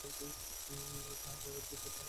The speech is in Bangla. আমরা যাহা পাইবার যোগ্য, তাহাই পাইয়া থাকি।